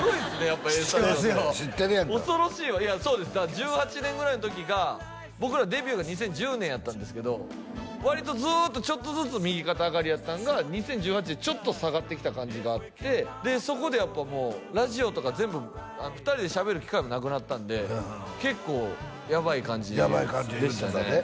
やっぱ「ＡＳＴＵＤＩＯ＋」って恐ろしいわいやそうですだから１８年ぐらいの時が僕らデビューが２０１０年やったんですけど割とずっとちょっとずつ右肩上がりやったんが２０１８年でちょっと下がってきた感じがあってそこでやっぱもうラジオとか全部２人でしゃべる機会もなくなったんで結構やばい感じでしたね